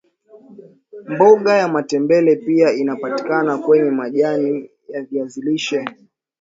mboga ya matembele pia inapatika kwenya majani ya viazi lishe